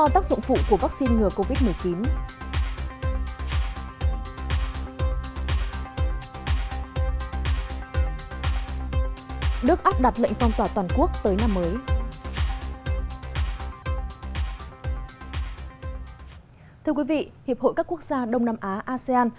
thưa quý vị hiệp hội các quốc gia đông nam á asean